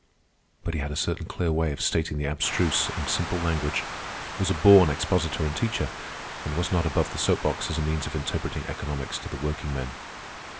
But he had a certain clear way of stating the abstruse in simple language, was a born expositor and teacher, and was not above the soap box as a means of interpreting economics to the workingmen.